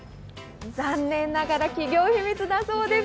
残念ながら企業秘密だそうです。